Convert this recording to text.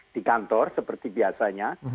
di kantor seperti biasanya